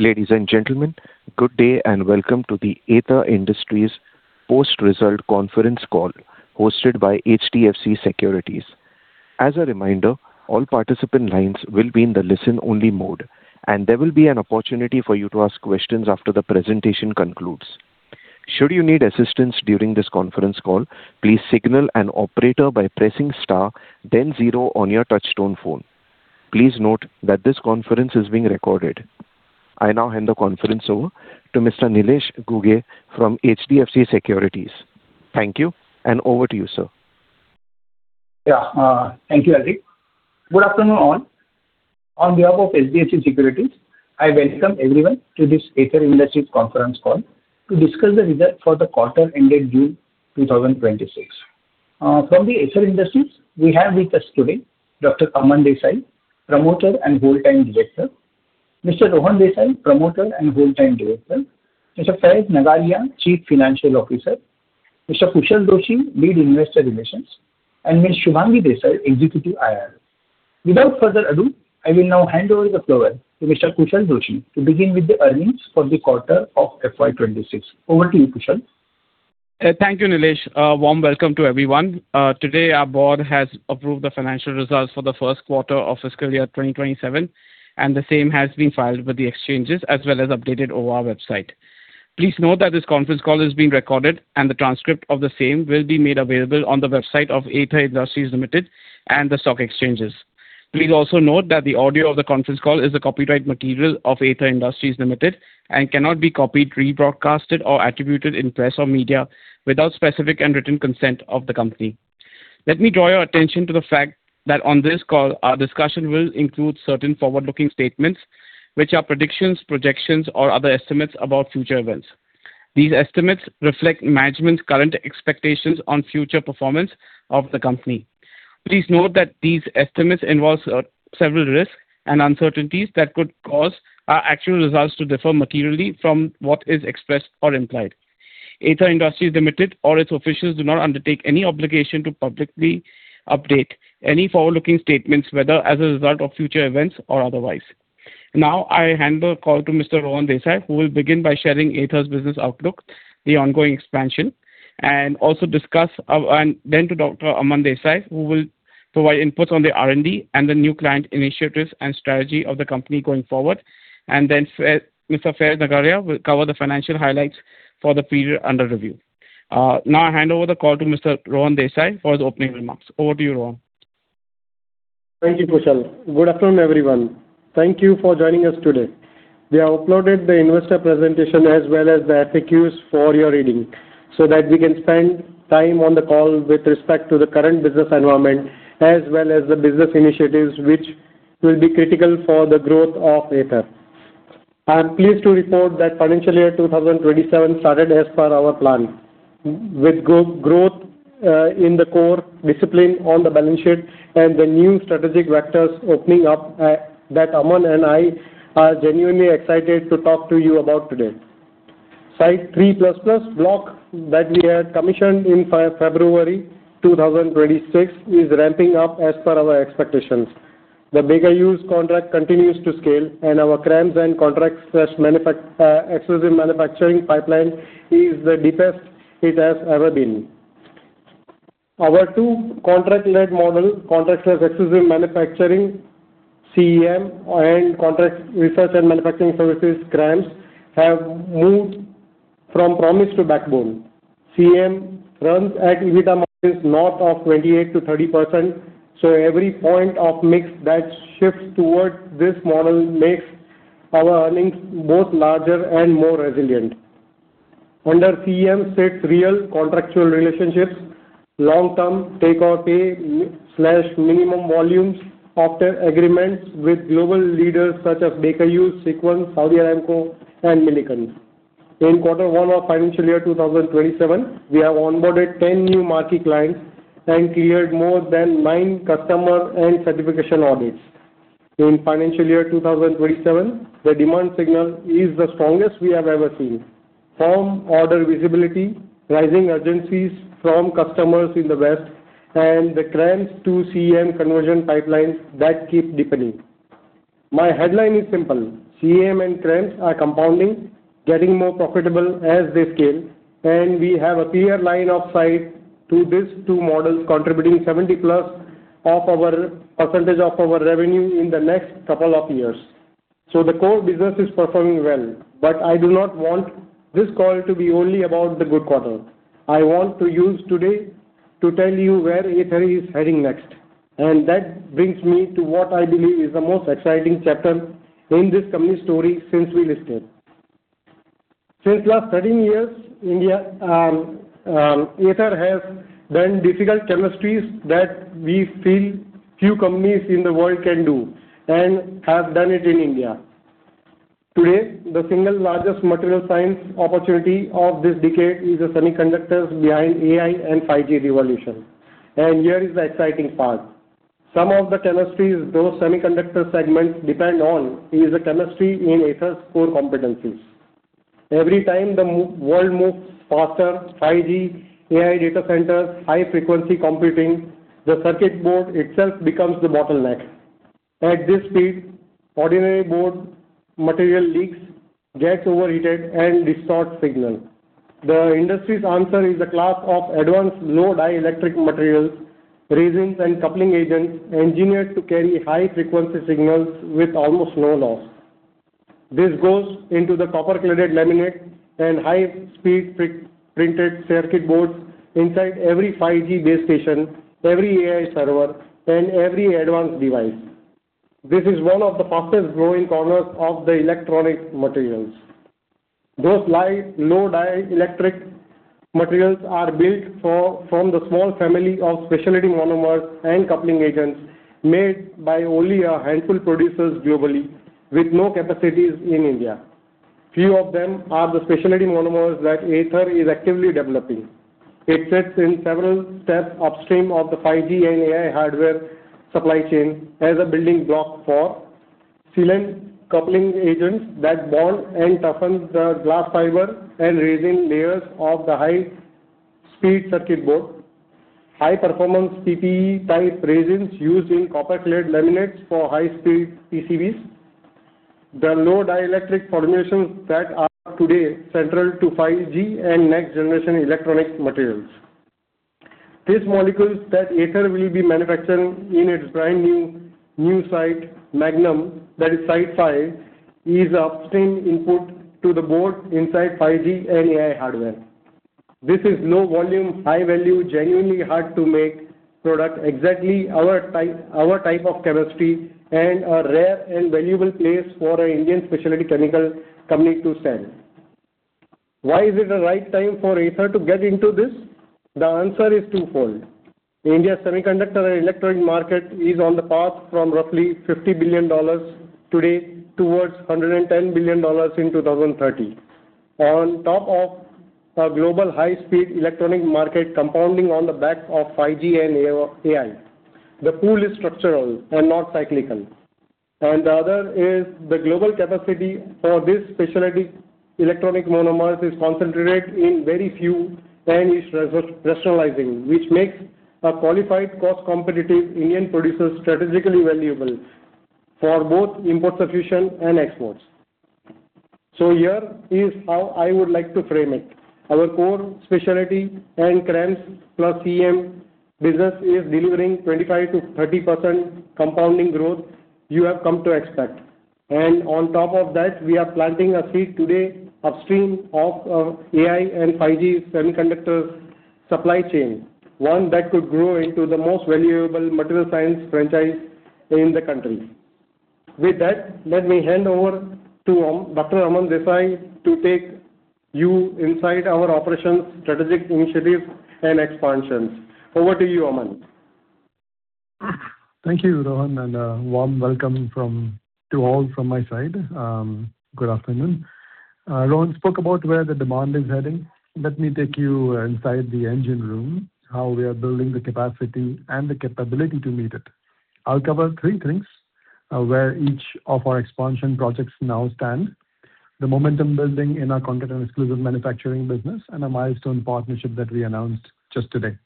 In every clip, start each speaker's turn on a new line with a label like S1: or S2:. S1: Ladies and gentlemen, good day and welcome to the Aether Industries Post-result Conference Call hosted by HDFC Securities. As a reminder, all participant lines will be in the listen only mode, and there will be an opportunity for you to ask questions after the presentation concludes. Should you need assistance during this conference call, please signal an operator by pressing star then zero on your touchtone phone. Please note that this conference is being recorded. I now hand the conference over to Mr. Nilesh Ghuge from HDFC Securities. Thank you, and over to you, sir.
S2: Yeah. Thank you, Hari. Good afternoon, all. On behalf of HDFC Securities, I welcome everyone to this Aether Industries conference call to discuss the results for the quarter ending June 2026. From the Aether Industries, we have with us today Dr. Aman Desai, Promoter and Whole Time Director, Mr. Rohan Desai, Promoter and Whole Time Director, Mr. Faiz Nagariya, Chief Financial Officer, Mr. Kushal Doshi, Lead Investor Relations, and Ms. Shubhangi Desai, Executive IR. Without further ado, I will now hand over the floor to Mr. Kushal Doshi to begin with the earnings for the quarter of FY 2026. Over to you, Kushal.
S3: Thank you, Nilesh. A warm welcome to everyone. Today, our board has approved the financial results for the first quarter of fiscal year 2027, and the same has been filed with the exchanges as well as updated over our website. Please note that this conference call is being recorded and the transcript of the same will be made available on the website of Aether Industries Limited and the stock exchanges. Please also note that the audio of the conference call is a copyright material of Aether Industries Limited and cannot be copied, rebroadcasted or attributed in press or media without specific and written consent of the company. Let me draw your attention to the fact that on this call, our discussion will include certain forward-looking statements, which are predictions, projections, or other estimates about future events. These estimates reflect management's current expectations on future performance of the company. Please note that these estimates involve several risks and uncertainties that could cause our actual results to differ materially from what is expressed or implied. Aether Industries Limited or its officials do not undertake any obligation to publicly update any forward-looking statements, whether as a result of future events or otherwise. I hand the call to Mr. Rohan Desai, who will begin by sharing Aether's business outlook, the ongoing expansion, and then to Dr. Aman Desai, who will provide inputs on the R&D and the new client initiatives and strategy of the company going forward. Mr. Faiz Nagariya will cover the financial highlights for the period under review. I hand over the call to Mr. Rohan Desai for the opening remarks. Over to you, Rohan.
S4: Thank you, Kushal. Good afternoon, everyone. Thank you for joining us today. We have uploaded the investor presentation as well as the FAQs for your reading so that we can spend time on the call with respect to the current business environment as well as the business initiatives, which will be critical for the growth of Aether. I am pleased to report that FY 2027 started as per our plan with growth in the core discipline on the balance sheet and the new strategic vectors opening up that Aman and I are genuinely excited to talk to you about today. Site 3++ block that we had commissioned in February 2026 is ramping up as per our expectations. The Baker Hughes contract continues to scale and our CRAMS and contract/exclusive manufacturing pipeline is the deepest it has ever been. Our two contract-led model, contract/exclusive manufacturing, CEM, and Contract Research and Manufacturing Services, CRAMS, have moved from promise to backbone. CEM runs at EBITDA margins north of 28%-30%, so every point of mix that shifts towards this model makes our earnings both larger and more resilient. Under CEM sits real contractual relationships, long-term take-or-pay/minimum volumes after agreements with global leaders such as Baker Hughes, Seqens, Saudi Aramco, and Milliken. In Q1 FY 2027, we have onboarded 10 new marquee clients and cleared more than nine customer and certification audits. In FY 2027, the demand signal is the strongest we have ever seen from order visibility, rising urgencies from customers in the West, and the CRAMS to CEM conversion pipelines that keep deepening. My headline is simple: CEM and CRAMS are compounding, getting more profitable as they scale, and we have a clear line of sight to these two models contributing 70+% of our revenue in the next couple of years. The core business is performing well. I do not want this call to be only about the good quarter. I want to use today to tell you where Aether is heading next, and that brings me to what I believe is the most exciting chapter in this company story since we listed. Since last 13 years, Aether has done difficult chemistries that we feel few companies in the world can do and have done it in India. Today, the single largest material science opportunity of this decade is the semiconductors behind AI and 5G revolution. Here is the exciting part. Some of the chemistries those semiconductor segments depend on is a chemistry in Aether's core competencies. Every time the world moves faster, 5G, AI data centers, high frequency computing, the circuit board itself becomes the bottleneck. At this speed, ordinary board material leaks, gets overheated, and distorts signal. The industry's answer is a class of advanced low dielectric materials, resins, and coupling agents engineered to carry high frequency signals with almost no loss. This goes into the copper-clad laminate and high-speed printed circuit boards inside every 5G base station, every AI server, and every advanced device. This is one of the fastest growing corners of the electronic materials. Those light, low dielectric materials are built from the small family of specialty monomers and coupling agents made by only a handful producers globally, with no capacities in India. Few of them are the specialty monomers that Aether is actively developing. It sits in several steps upstream of the 5G and AI hardware supply chain as a building block for silane coupling agents that bond and toughen the glass fiber and resin layers of the high-speed circuit board, high-performance PPE-type resins used in copper-clad laminate for high-speed PCBs. The low dielectric formulations that are today central to 5G and next-generation electronics materials. These molecules that Aether will be manufacturing in its brand new site, Magnum, that is Site 5, is upstream input to the board inside 5G and AI hardware. This is low volume, high value, genuinely hard-to-make product, exactly our type of chemistry, and a rare and valuable place for an Indian specialty chemical company to stand. Why is it the right time for Aether to get into this? The answer is twofold. India's semiconductor and electronic market is on the path from roughly INR 50 billion today towards INR 110 billion in 2030. On top of a global high-speed electronic market compounding on the back of 5G and AI. The pool is structural and not cyclical. The other is the global capacity for this specialty monomers is concentrated in very few and is rationalizing, which makes a qualified cost-competitive Indian producer strategically valuable for both import substitution and exports. Here is how I would like to frame it. Our core specialty and CRAMS plus CEM business is delivering 25%-30% compounding growth you have come to expect. On top of that, we are planting a seed today upstream of AI and 5G semiconductor supply chain, one that could grow into the most valuable material science franchise in the country. With that, let me hand over to Aman Desai to take you inside our operations, strategic initiatives, and expansions. Over to you, Aman.
S5: Thank you, Rohan, and a warm welcome to all from my side. Good afternoon. Rohan spoke about where the demand is heading. Let me take you inside the engine room, how we are building the capacity and the capability to meet it. I'll cover three things, where each of our expansion projects now stand, the momentum building in our contract and exclusive manufacturing business, and a milestone partnership that we announced just today.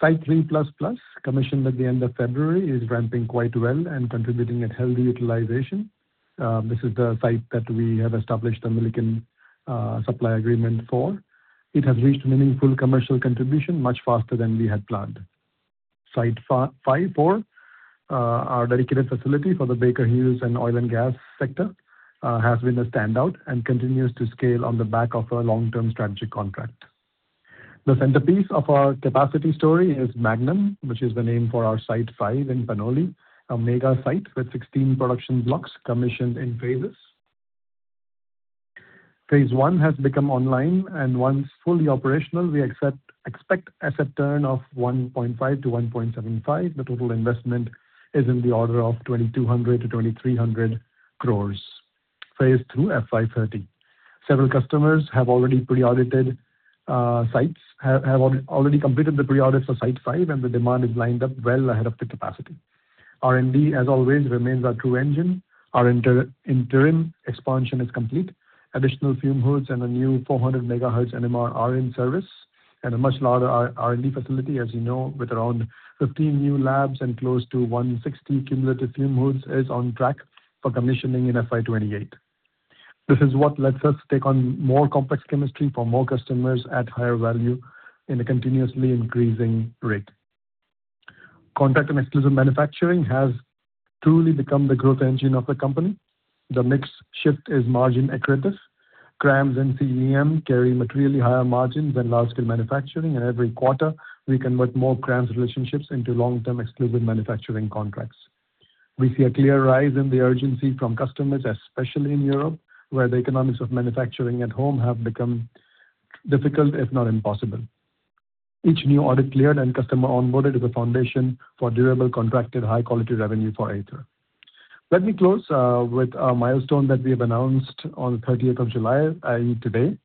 S5: Site 3++, commissioned at the end of February, is ramping quite well and contributing at healthy utilization. This is the site that we have established a Milliken supply agreement for. It has reached meaningful commercial contribution much faster than we had planned. Site 5, for our dedicated facility for the Baker Hughes and oil and gas sector, has been a standout and continues to scale on the back of our long-term strategy contract. The centerpiece of our capacity story is Magnum, which is the name for our Site 5 in Panoli, a mega site with 16 production blocks commissioned in phases. Phase I has become online and once fully operational, we expect asset turn of 1.5 to 1.75. The total investment is in the order of 2,200 crore to 2,300 crore. Phase II, FY 2030. Several customers have already pre-audited sites, have already completed the pre-audits for Site 5, and the demand is lined up well ahead of the capacity. R&D, as always, remains our true engine. Our interim expansion is complete. Additional fume hoods and a new 400 MHz NMR are in service. A much larger R&D facility, as you know, with around 15 new labs and close to 160 cumulative fume hoods, is on track for commissioning in FY 2028. This is what lets us take on more complex chemistry for more customers at higher value in a continuously increasing rate. Contract and Exclusive Manufacturing has truly become the growth engine of the company. The mix shift is margin-accretive. CRAMS and CEM carry materially higher margins than large-scale manufacturing, and every quarter we convert more CRAMS relationships into long-term Exclusive Manufacturing contracts. We see a clear rise in the urgency from customers, especially in Europe, where the economics of manufacturing at home have become difficult, if not impossible. Each new audit cleared and customer onboarded is a foundation for durable contracted high-quality revenue for Aether. Let me close with a milestone that we have announced on the 30th of July, i.e., today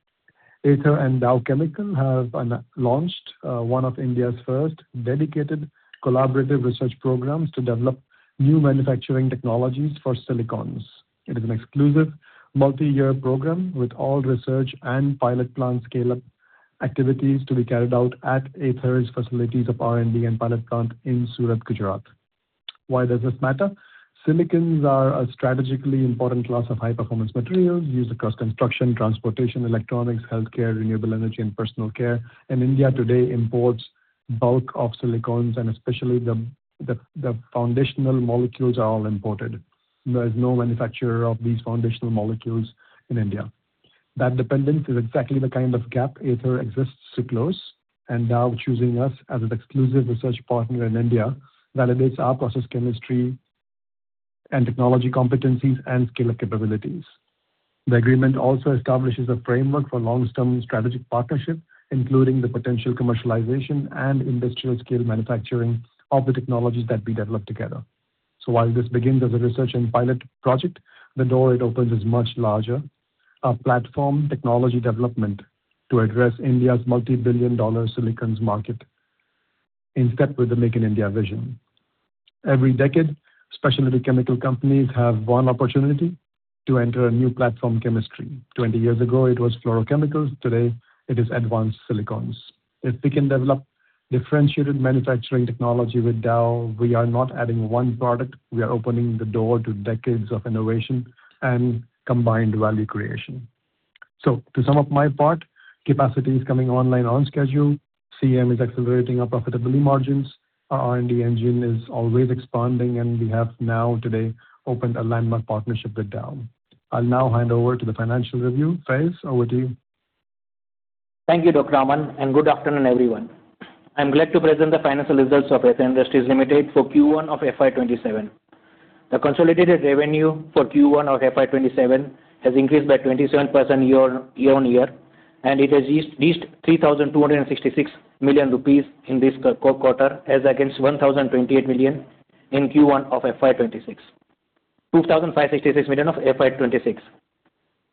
S5: Aether and Dow Chemical have launched one of India's first dedicated collaborative research programs to develop new manufacturing technologies for silicones. It is an exclusive multi-year program with all research and pilot plant scale-up activities to be carried out at Aether's facilities of R&D and pilot plant in Surat, Gujarat. Why does this matter? Silicones are a strategically important class of high-performance materials used across construction, transportation, electronics, healthcare, renewable energy, and personal care. India today imports bulk of silicones, especially the foundational molecules are all imported. There is no manufacturer of these foundational molecules in India. That dependence is exactly the kind of gap Aether exists to close. Dow choosing us as its exclusive research partner in India validates our process chemistry and technology competencies and scale capabilities. The agreement also establishes a framework for long-term strategic partnership, including the potential commercialization and industrial scale manufacturing of the technologies that we develop together. While this begins as a research and pilot project, the door it opens is much larger. A platform technology development to address India's multi-billion-dollar silicones market in step with the Make in India vision. Every decade, specialty chemical companies have one opportunity to enter a new platform chemistry. Twenty years ago, it was fluorochemicals. Today, it is advanced silicones. If we can develop differentiated manufacturing technology with Dow, we are not adding one product, we are opening the door to decades of innovation and combined value creation. To sum up my part, capacity is coming online on schedule. CM is accelerating our profitability margins. Our R&D engine is always expanding. We have now today opened a landmark partnership with Dow. I'll now hand over to the financial review. Faiz, over to you.
S6: Thank you, Dr. Aman, and good afternoon, everyone. I am glad to present the financial results of Aether Industries Limited for Q1 FY2027. The consolidated revenue for Q1 FY2027 has increased by 27% year-over-year, and it has reached 3,266 million rupees in this quarter as against INR 2,566 million in Q1 FY2026.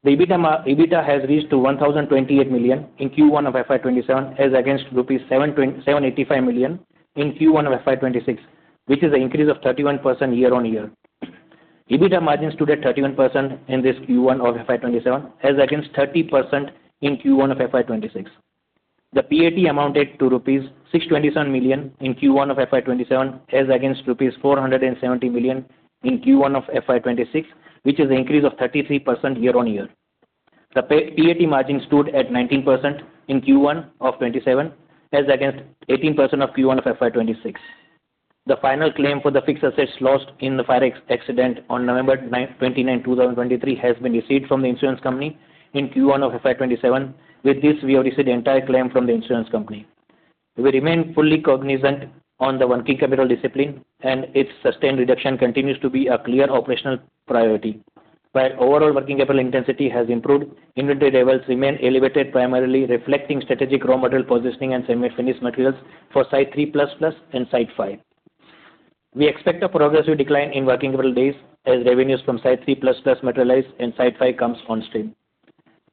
S6: The EBITDA has reached 1,028 million in Q1 FY2027, as against rupees 785 million in Q1 FY2026, which is an increase of 31% year-over-year. EBITDA margins stood at 31% in Q1 FY2027 as against 30% in Q1 FY2026. The PAT amounted to rupees 627 million in Q1 FY2027, as against rupees 470 million in Q1 FY2026, which is an increase of 33% year-over-year. The PAT margin stood at 19% in Q1 FY2027, as against 18% of Q1 FY2026. The final claim for the fixed assets lost in the fire accident on November 29, 2023, has been received from the insurance company in Q1 FY2027. With this, we have received the entire claim from the insurance company. We remain fully cognizant on the working capital discipline, and its sustained reduction continues to be a clear operational priority. While overall working capital intensity has improved, inventory levels remain elevated, primarily reflecting strategic raw material positioning and semi-finished materials for Site 3 ++ and Site 5. We expect a progressive decline in working capital days as revenues from Site 3 ++materialize and Site 5 comes on stream.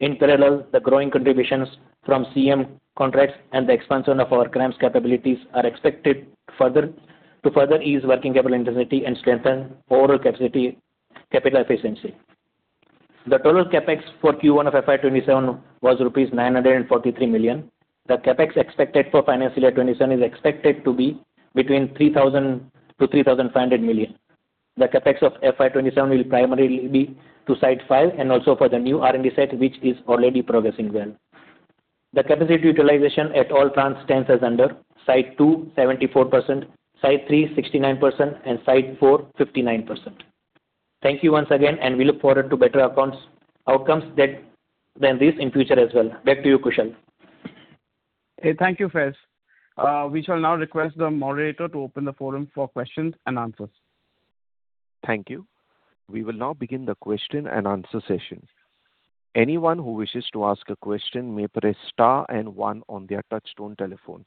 S6: In parallel, the growing contributions from CM contracts and the expansion of our CRAMS capabilities are expected to further ease working capital intensity and strengthen overall capital efficiency. The total CapEx for Q1 FY2027 was rupees 943 million. The CapEx expected for FY 2027 is expected to be between 3,000 million-3,500 million. The CapEx of FY 2027 will primarily be to Site 5 and also for the new R&D set, which is already progressing well. The capacity utilization at all plants stands as under: Site 2 74%, Site 3 69%, and Site 4 59%. Thank you once again, and we look forward to better outcomes than this in future as well. Back to you, Kushal.
S3: Hey, thank you, Faiz. We shall now request the moderator to open the forum for questions and answers.
S1: Thank you. We will now begin the question and answer session. Anyone who wishes to ask a question may press star and one on their touchtone telephone.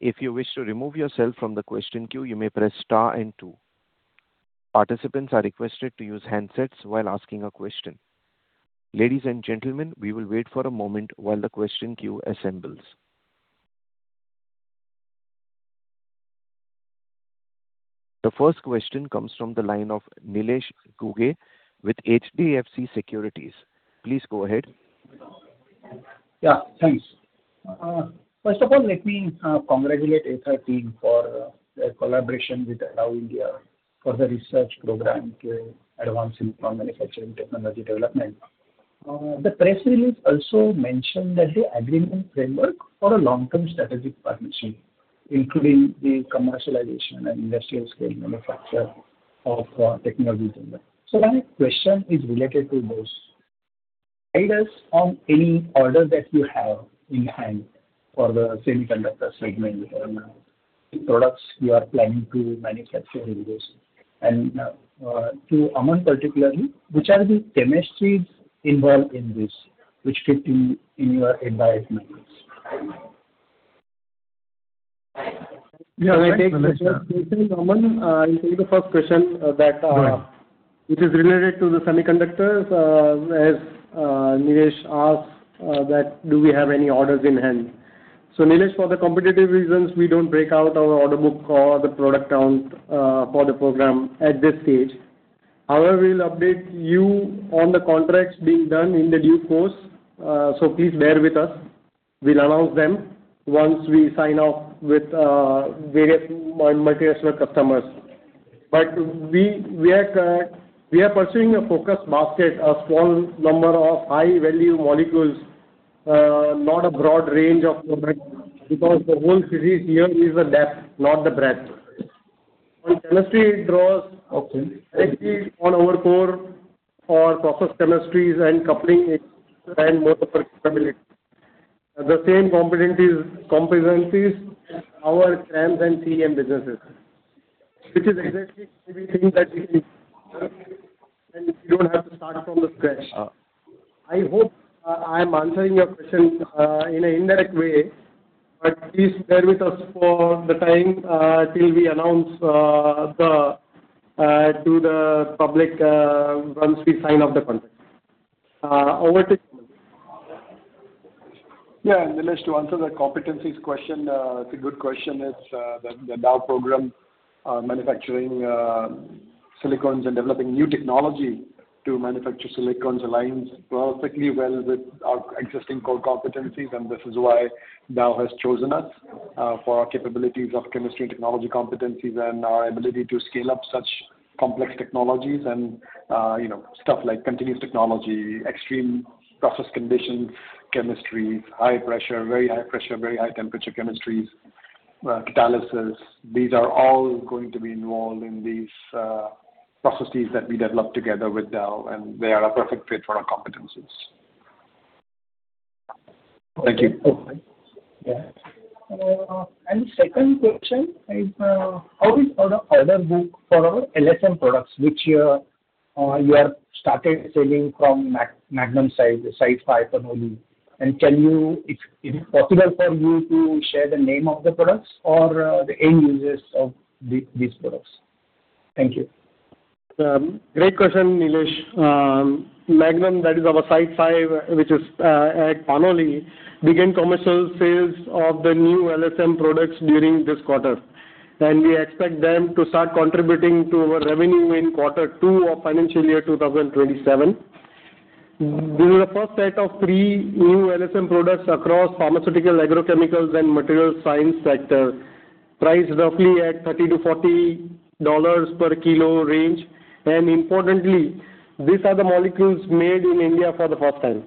S1: If you wish to remove yourself from the question queue, you may press star and two. Participants are requested to use handsets while asking a question. Ladies and gentlemen, we will wait for a moment while the question queue assembles. The first question comes from the line of Nilesh Ghuge with HDFC Securities. Please go ahead.
S2: Yeah, thanks. First of all, let me congratulate Aether team for their collaboration with Dow India for the research program to advance silicone manufacturing technology development. The press release also mentioned that the agreement framework for a long-term strategic partnership, including the commercialization and industrial scale manufacture of technologies in there. My question is related to those. Guide us on any orders that you have in hand for the semiconductor segment and the products you are planning to manufacture in this. To Aman particularly, which are the chemistries involved in this, which fit in your address markets?
S5: Right, Nilesh.
S4: Can I take Aman.
S5: Go ahead
S4: it is related to the semiconductors, as Nilesh asked that do we have any orders in hand? Nilesh, for the competitive reasons, we don't break out our order book or the product count for the program at this stage. However, we'll update you on the contracts being done in the due course, so please bear with us. We'll announce them once we sign off with various multinational customers. We are pursuing a focused basket, a small number of high-value molecules, not a broad range of products, because the whole theory here is the depth, not the breadth. On chemistry it draws-
S2: Okay
S4: exactly on our core for process chemistries and coupling agent and monomer stability. The same competencies our CRAMS and CEM businesses, which is exactly why we think that we can, and we don't have to start from scratch. I hope I am answering your question in an indirect way, but please bear with us for the time until we announce to the public once we sign off the contract. Over to you, Aman.
S5: Yeah, Nilesh, to answer the competencies question, it's a good question. The Dow program, manufacturing silicones and developing new technology to manufacture silicones aligns perfectly well with our existing core competencies, and this is why Dow has chosen us for our capabilities of chemistry and technology competencies and our ability to scale up such complex technologies and stuff like continuous technology, extreme process conditions, chemistries, high pressure, very high pressure, very high temperature chemistries, catalysis. These are all going to be involved in these processes that we develop together with Dow, they are a perfect fit for our competencies.
S2: Thank you.
S4: Okay. Yeah.
S2: The second question is, how is order book for our LSM products, which you have started selling from Magnum Site, the Site 5 at Panoli. Tell me, if it is possible for you to share the name of the products or the end users of these products. Thank you.
S4: Great question, Nilesh. Magnum, that is our Site 5, which is at Panoli, began commercial sales of the new LSM products during this quarter. We expect them to start contributing to our revenue in Quarter 2 of financial year 2027. This is the first set of three new LSM products across pharmaceutical, agrochemicals, and material science sector, priced roughly at $30-$40 per kilo range. Importantly, these are the molecules made in India for the first time.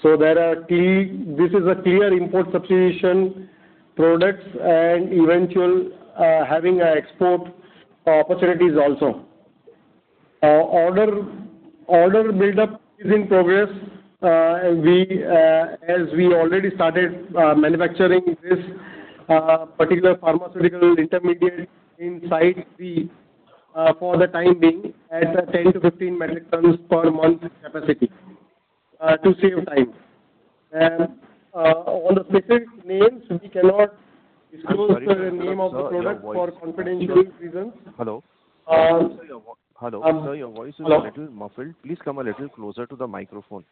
S4: This is a clear import substitution products and eventual having export opportunities also. Order buildup is in progress. As we already started manufacturing this particular pharmaceutical intermediate in Site 3 for the time being at a 10-15 metric tons per month capacity to save time. On the specific names, we cannot disclose the name of the product for confidentiality reasons.
S1: Hello? Sir, your voice is a little muffled. Please come a little closer to the microphone.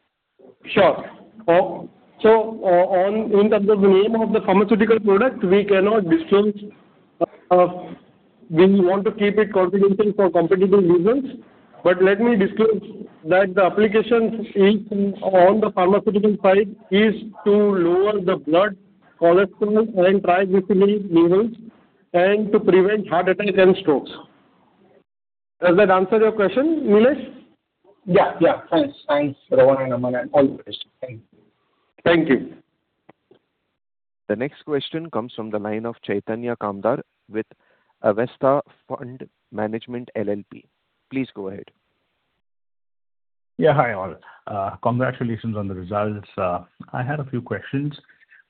S4: Sure. On the name of the pharmaceutical product, we cannot disclose. We want to keep it confidential for competitive reasons. Let me disclose that the application on the pharmaceutical side is to lower the blood cholesterol and triglyceride levels and to prevent heart attack and strokes. Does that answer your question, Nilesh?
S2: Yeah. Thanks, Rohan and Aman, and all. Thank you.
S4: Thank you.
S1: The next question comes from the line of Chaitanya Kamdar with Avestha Fund Management LLP. Please go ahead.
S7: Hi all. Congratulations on the results. I had a few questions.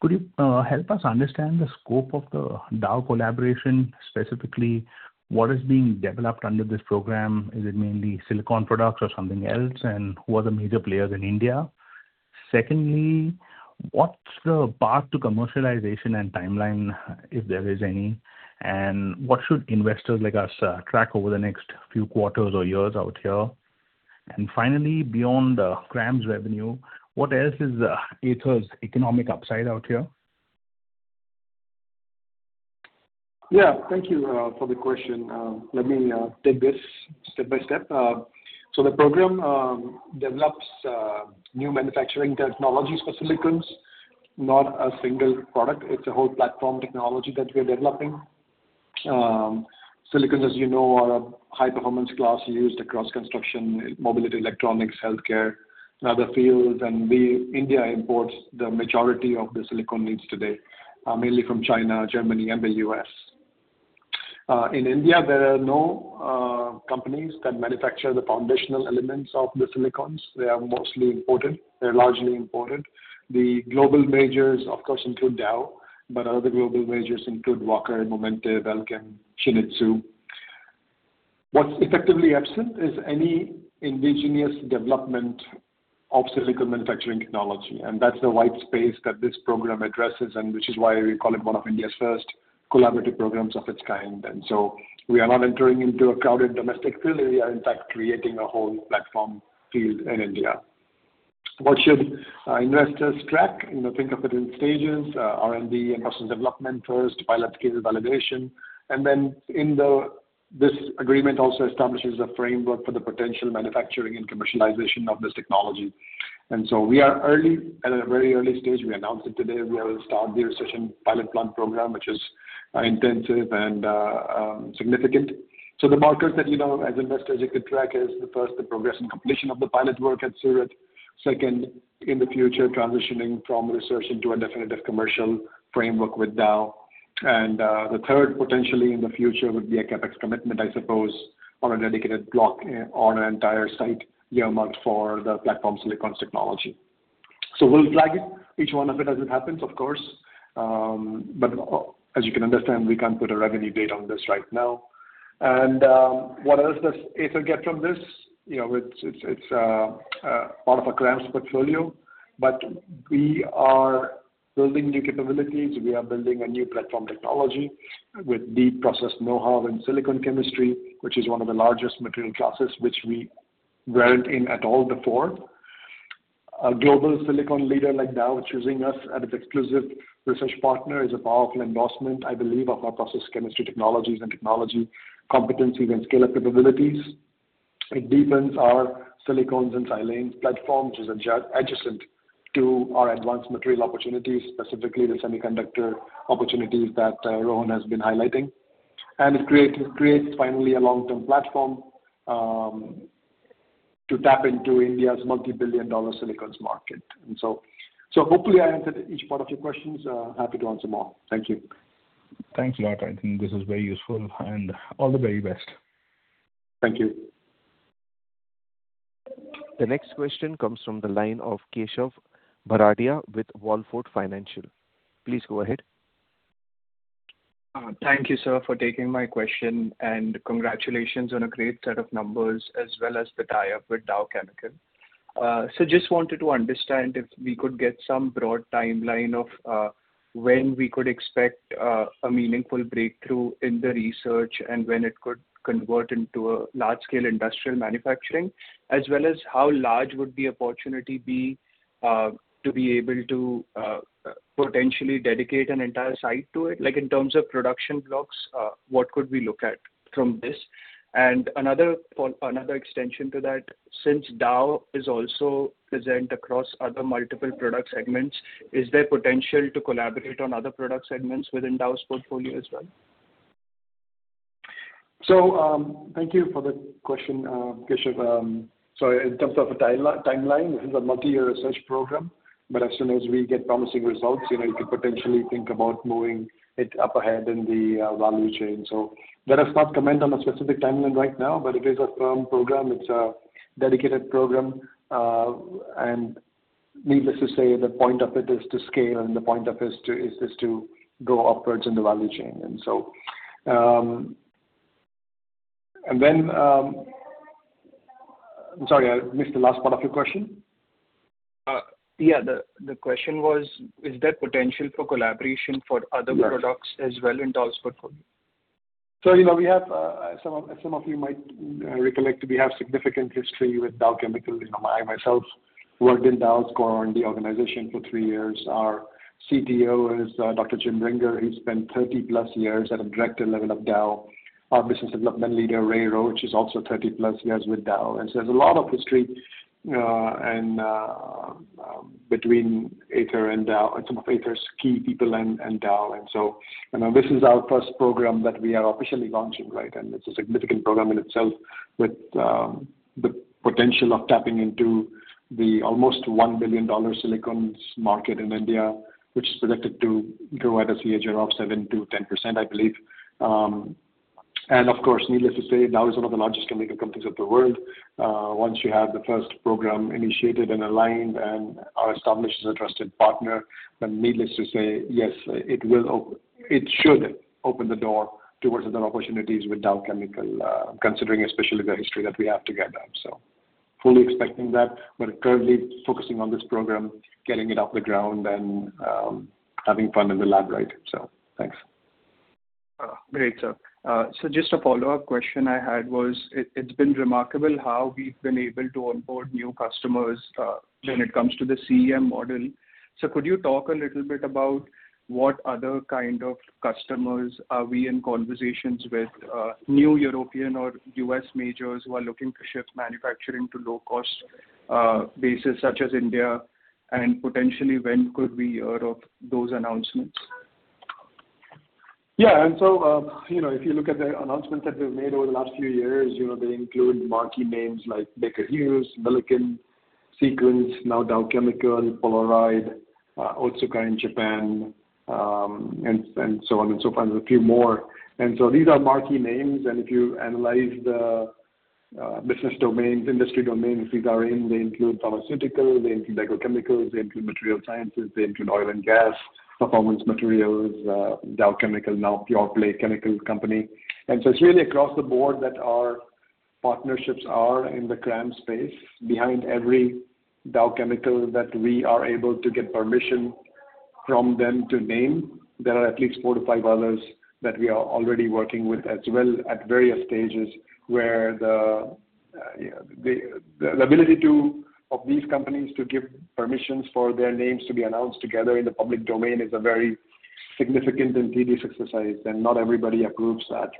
S7: Could you help us understand the scope of the Dow collaboration, specifically what is being developed under this program? Is it mainly silicone products or something else? Who are the major players in India? Secondly, what's the path to commercialization and timeline, if there is any? What should investors like us track over the next few quarters or years out here? Finally, beyond the CRAMS revenue, what else is Aether's economic upside out here?
S5: Thank you for the question. Let me take this step by step. The program develops new manufacturing technologies for silicones, not a single product. It's a whole platform technology that we are developing. Silicones, as you know, are a high-performance glass used across construction, mobility, electronics, healthcare and other fields. India imports the majority of the silicone needs today, mainly from China, Germany and the U.S. In India, there are no companies that manufacture the foundational elements of the silicones. They are mostly imported. They're largely imported. The global majors, of course, include Dow, but other global majors include Wacker, Momentive, Elkem, Shin-Etsu What's effectively absent is any indigenous development of silicone manufacturing technology, and that's the wide space that this program addresses, which is why we call it one of India's first collaborative programs of its kind. We are not entering into a crowded domestic field. We are, in fact, creating a whole platform field in India. What should investors track? Think of it in stages, R&D and process development first, pilot case validation, then this agreement also establishes a framework for the potential manufacturing and commercialization of this technology. We are at a very early stage. We announced it today. We will start the research and pilot plant program, which is intensive and significant. The markers that you know as investors you could track is, first, the progress and completion of the pilot work at Surat. Second, in the future, transitioning from research into a definitive commercial framework with Dow. The third, potentially in the future, would be a CapEx commitment, I suppose, on a dedicated block on an entire site earmarked for the platform silicones technology. We'll flag it, each one of it, as it happens, of course. As you can understand, we can't put a revenue date on this right now. What else does Aether get from this? It's part of our CRAMS portfolio, but we are building new capabilities. We are building a new platform technology with deep process knowhow in silicone chemistry, which is one of the largest material classes which we weren't in at all before. A global silicone leader like Dow choosing us as its exclusive research partner is a powerful endorsement, I believe, of our process chemistry technologies and technology competencies and scale-up capabilities. It deepens our silicones and silanes platform, which is adjacent to our advanced material opportunities, specifically the semiconductor opportunities that Rohan has been highlighting. It creates, finally, a long-term platform to tap into India's multi-billion dollar silicones market. Hopefully I answered each part of your questions. Happy to answer more. Thank you.
S7: Thanks a lot. I think this is very useful, all the very best.
S5: Thank you.
S1: The next question comes from the line of Keshav Bharadia with Wallfort Financial Services. Please go ahead.
S8: Thank you, sir, for taking my question, and congratulations on a great set of numbers as well as the tie-up with Dow Chemical. Just wanted to understand if we could get some broad timeline of when we could expect a meaningful breakthrough in the research and when it could convert into a large-scale industrial manufacturing, as well as how large would the opportunity be to be able to potentially dedicate an entire site to it? Like in terms of production blocks, what could we look at from this? Another extension to that, since Dow is also present across other multiple product segments, is there potential to collaborate on other product segments within Dow's portfolio as well?
S5: Thank you for the question, Keshav. In terms of a timeline, this is a multi-year research program, but as soon as we get promising results, you could potentially think about moving it up ahead in the value chain. Let us not comment on a specific timeline right now, but it is a firm program. It's a dedicated program. Needless to say, the point of it is to scale, and the point of this is to go upwards in the value chain. Then I'm sorry, I missed the last part of your question.
S8: Yeah, the question was, is there potential for collaboration for other
S5: Yes
S8: Products as well in Dow's portfolio?
S5: Some of you might recollect, we have significant history with Dow Chemical. I myself worked in Dow's core R&D organization for three years. Our CTO is Dr. James Ringer. He spent 30+ years at a director level of Dow. Our business development leader, Ray Roach, is also 30+ years with Dow. There's a lot of history between Aether and Dow, and some of Aether's key people and Dow. This is our first program that we are officially launching. It's a significant program in itself with the potential of tapping into the almost INR 1 billion silicones market in India, which is predicted to grow at a CAGR of 7%-10%, I believe. Of course, needless to say, Dow is one of the largest chemical companies of the world. Once you have the first program initiated and aligned and are established as a trusted partner, needless to say, yes, it should open the door towards other opportunities with Dow Chemical, considering especially the history that we have together. Fully expecting that, currently focusing on this program, getting it off the ground and having fun in the lab. Thanks.
S8: Great, sir. Just a follow-up question I had was, it's been remarkable how we've been able to onboard new customers when it comes to the CEM model. Could you talk a little bit about what other kind of customers are we in conversations with, new European or U.S. majors who are looking to shift manufacturing to low-cost bases such as India, and potentially when could we hear of those announcements?
S5: Yeah. If you look at the announcements that we've made over the last few years, they include marquee names like Baker Hughes, Milliken, Seqens, now Dow Chemical, Polaroid, Otsuka in Japan, and so on and so forth, and a few more. These are marquee names, and if you analyze Business domains, industry domains we are in, they include pharmaceuticals, they include petrochemicals, they include material sciences, they include oil and gas, performance materials, Dow Chemical, now a pure play chemical company. It's really across the board that our partnerships are in the CRAM space. Behind every Dow Chemical that we are able to get permission from them to name, there are at least four to five others that we are already working with as well at various stages where the ability of these companies to give permissions for their names to be announced together in the public domain is a very significant and tedious exercise, and not everybody approves that.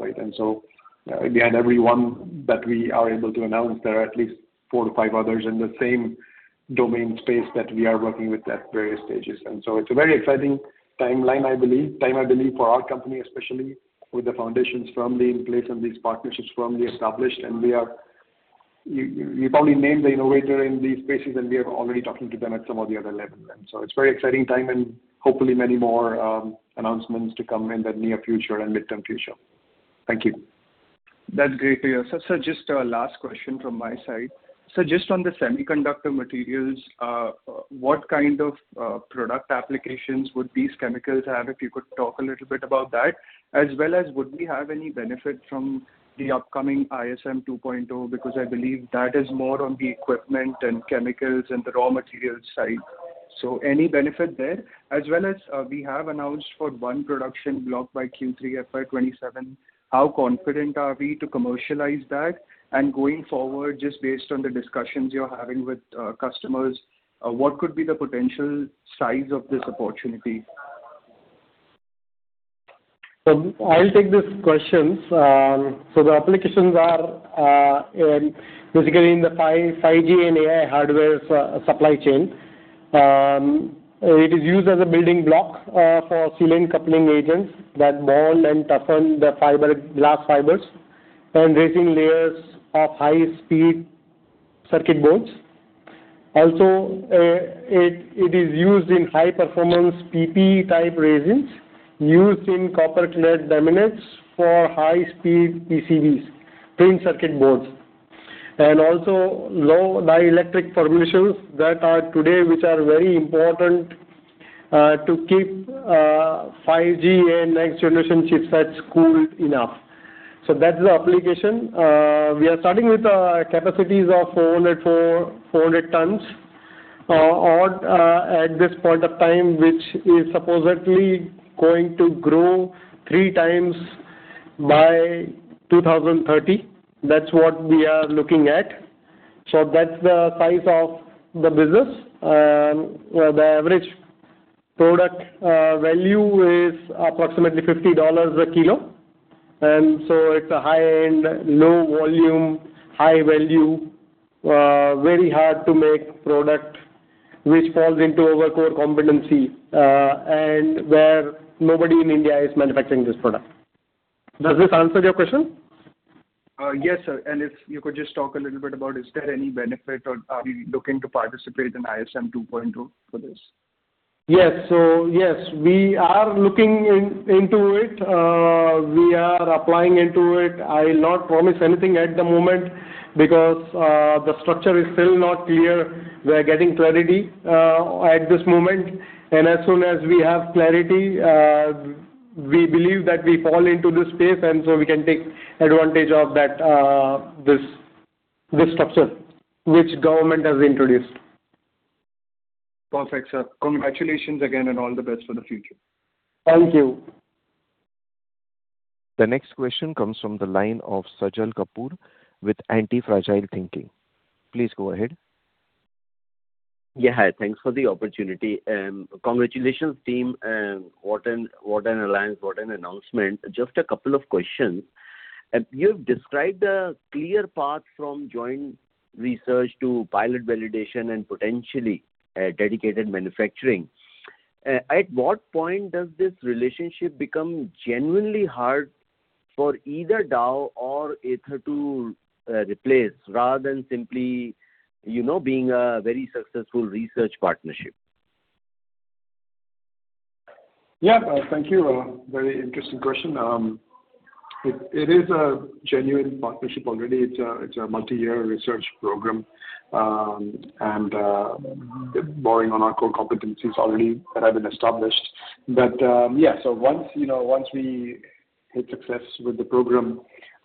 S5: Behind every one that we are able to announce, there are at least four to five others in the same domain space that we are working with at various stages. It's a very exciting time, I believe, for our company, especially with the foundations firmly in place and these partnerships firmly established. You probably named the innovator in these spaces, and we are already talking to them at some of the other levels. It's a very exciting time and hopefully many more announcements to come in the near future and midterm future. Thank you.
S8: That's great to hear. Sir, just a last question from my side. Just on the semiconductor materials, what kind of product applications would these chemicals have? If you could talk a little bit about that. As well as would we have any benefit from the upcoming ISM 2.0? Because I believe that is more on the equipment and chemicals and the raw material side. Any benefit there? As well as, we have announced for one production block by Q3 FY 2027, how confident are we to commercialize that? Going forward, just based on the discussions you're having with customers, what could be the potential size of this opportunity?
S4: I'll take these questions. The applications are basically in the 5G and AI hardware supply chain. It is used as a building block for silane coupling agents that bond and toughen the glass fibers and resin layers of high-speed circuit boards. Also, it is used in high-performance PPE-type resins, used in copper-clad laminates for high-speed PCBs, printed circuit boards, and also low dielectric formulations that are today, which are very important to keep 5G and next generation chipsets cooled enough. That's the application. We are starting with capacities of 400 tons at this point of time, which is supposedly going to grow 3x by 2030. That's what we are looking at. That's the size of the business. The average product value is approximately $50 a kilo. It's a high-end, low volume, high value, very hard to make product which falls into our core competency, and where nobody in India is manufacturing this product. Does this answer your question?
S8: Yes, sir. If you could just talk a little bit about, is there any benefit or are we looking to participate in ISM 2.0 for this?
S4: Yes. Yes, we are looking into it. We are applying into it. I'll not promise anything at the moment because the structure is still not clear. We are getting clarity at this moment, and as soon as we have clarity, we believe that we fall into this space, and so we can take advantage of this structure which government has introduced.
S8: Perfect, sir. Congratulations again, and all the best for the future.
S4: Thank you.
S1: The next question comes from the line of Sajal Kapoor with Antifragile Thinking. Please go ahead.
S9: Hi. Thanks for the opportunity and congratulations team. What an alliance, what an announcement. A couple of questions. You've described a clear path from joint research to pilot validation and potentially dedicated manufacturing. At what point does this relationship become genuinely hard for either Dow or Aether to replace rather than simply being a very successful research partnership?
S5: Thank you. A very interesting question. It is a genuine partnership already. It's a multi-year research program, borrowing on our core competencies already that have been established. Once we hit success with the program,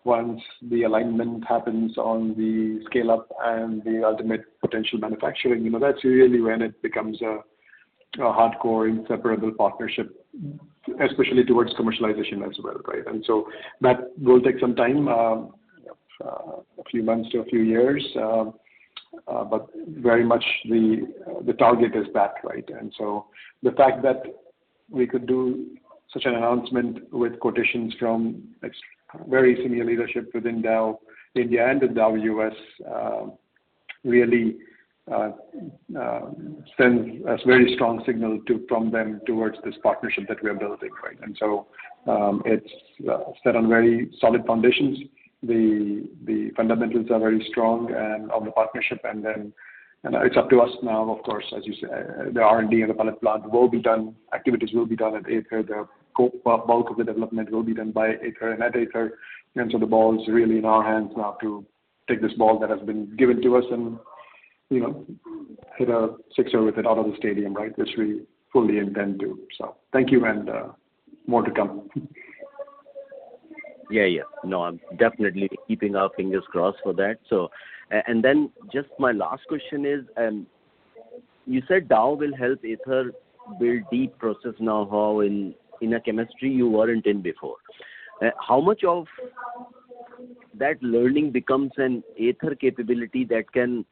S5: once the alignment happens on the scale-up and the ultimate potential manufacturing, that's really when it becomes a hardcore inseparable partnership, especially towards commercialization as well. That will take some time, a few months to a few years. Very much the target is that. The fact that we could do such an announcement with quotations from very senior leadership within Dow India and with Dow US really sends a very strong signal from them towards this partnership that we are building. It's set on very solid foundations. The fundamentals are very strong of the partnership, it's up to us now, of course, as you say, the R&D and the pilot plant will be done, activities will be done at Aether. The bulk of the development will be done by Aether and at Aether, the ball is really in our hands now to take this ball that has been given to us and Hit a sixer with it out of the stadium, which we fully intend to. Thank you. More to come.
S9: I'm definitely keeping our fingers crossed for that. My last question is, you said Dow will help Aether build deep process know-how in a chemistry you weren't in before. How much of that learning becomes an Aether capability that can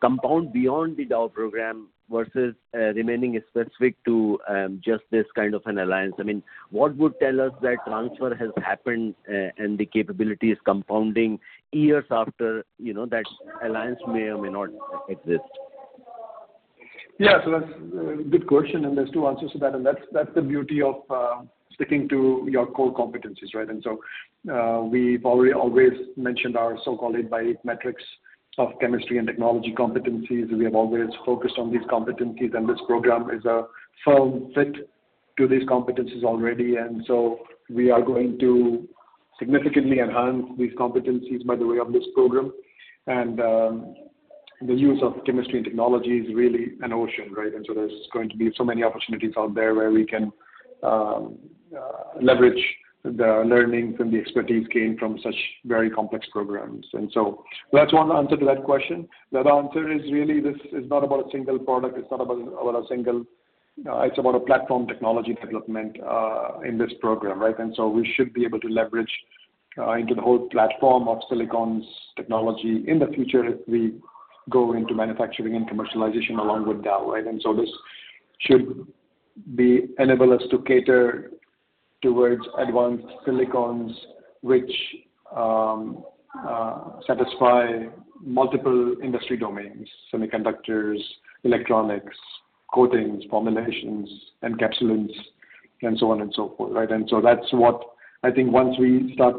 S9: compound beyond the Dow program versus remaining specific to just this kind of an alliance? What would tell us that transfer has happened and the capability is compounding years after that alliance may or may not exist?
S5: Yeah. That's a good question, there's two answers to that's the beauty of sticking to your core competencies. We've already always mentioned our so-called by eight metrics of chemistry and technology competencies. We have always focused on these competencies, and this program is a firm fit to these competencies already. We are going to significantly enhance these competencies by the way of this program. The use of chemistry and technology is really an ocean. There's going to be so many opportunities out there where we can leverage the learnings and the expertise gained from such very complex programs. That's one answer to that question. The other answer is really this is not about a single product, it's about a platform technology development in this program. We should be able to leverage into the whole platform of silicones technology in the future as we go into manufacturing and commercialization along with Dow. This should enable us to cater towards advanced silicones, which satisfy multiple industry domains, semiconductors, electronics, coatings, formulations, encapsulants, and so on and so forth. That's what I think once we start